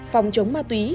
phòng chống ma túy